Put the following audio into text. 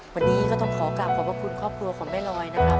วันนี้ก็ต้องขอกลับขอบพระคุณครอบครัวของแม่ลอยนะครับ